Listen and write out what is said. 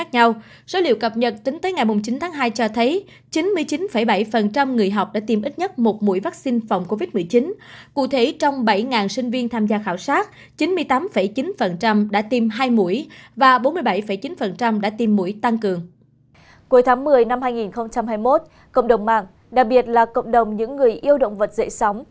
cuối tháng một mươi năm hai nghìn hai mươi một cộng đồng mạng đặc biệt là cộng đồng những người yêu động vật dễ sống